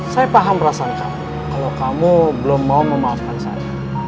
saya paham rasa kalau kamu belum mau memaafkan saya